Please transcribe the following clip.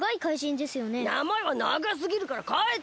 なまえはながすぎるからかえた！